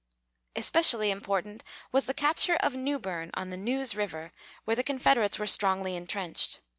Especially important was the capture of Newberne, on the Neuse River, where the Confederates were strongly intrenched.